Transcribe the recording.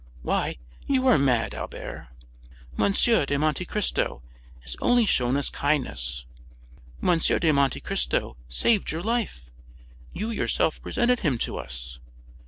Why, you are mad, Albert! M. de Monte Cristo has only shown us kindness. M. de Monte Cristo saved your life; you yourself presented him to us.